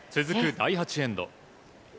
続く第８エンド。